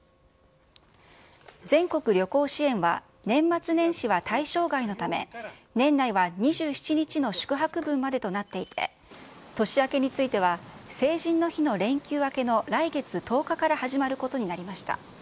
全国旅行支援は、年末年始は対象外のため、年内は２７日の宿泊分までとなっていて、年明けについては、成人の日の連休明けの来月１０日から始まることになりました。